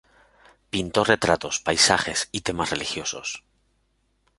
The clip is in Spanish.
Pintó retratos, paisajes y temas religiosos.